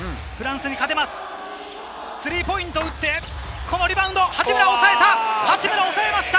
スリーポイントを打って、このリバウンド八村が抑えた！